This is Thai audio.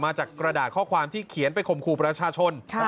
มาจากกระดาษข้อความที่เขียนไปข่มขู่ประชาชน